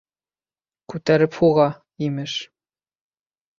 Күтәреп һуға, имеш.